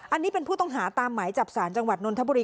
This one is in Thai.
อันนี้เป็นผู้ต้องหาตามหมายจับสารจังหวัดนนทบุรี